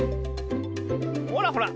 ほらほら